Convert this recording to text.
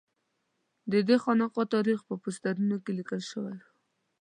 ددې خانقا تاریخ په پوسټرونو کې لیکل شوی و.